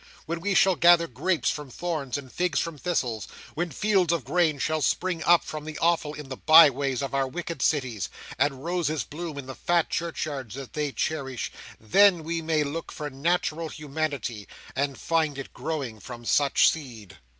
When we shall gather grapes from thorns, and figs from thistles; when fields of grain shall spring up from the offal in the bye ways of our wicked cities, and roses bloom in the fat churchyards that they cherish; then we may look for natural humanity, and find it growing from such seed.